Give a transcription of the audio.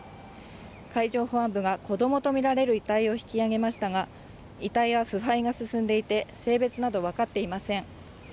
海上保安部が子供とみられる遺体を引き揚げましたが、遺体は腐敗が進んでいて性別などは分かっていません。